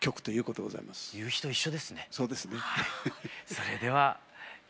それでは。